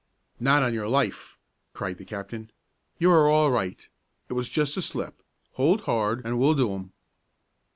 "Not on your life!" cried the captain. "You are all right. It was just a slip. Hold hard and we'll do 'em."